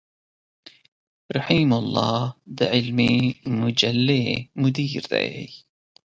رحيم الله د علمي مجلې مدير دی.